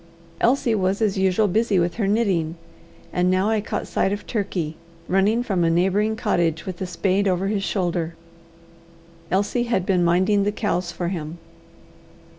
Elsie was as usual busy with her knitting. And now I caught sight of Turkey, running from a neighbouring cottage with a spade over his shoulder. Elsie had been minding the cows for him.